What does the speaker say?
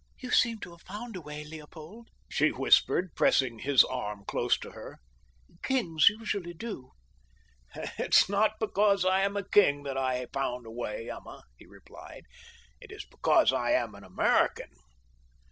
"You seem to have found a way, Leopold," she whispered, pressing his arm close to her. "Kings usually do." "It is not because I am a king that I found a way, Emma," he replied. "It is because I am an American."